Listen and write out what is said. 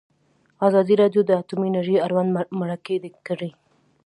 ازادي راډیو د اټومي انرژي اړوند مرکې کړي.